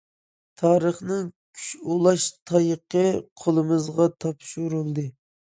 تارىخنىڭ كۈچ ئۇلاش تايىقى قولىمىزغا تاپشۇرۇلدى.